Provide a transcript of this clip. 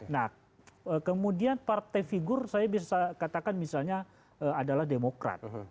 nah kemudian partai figur saya bisa katakan misalnya adalah demokrat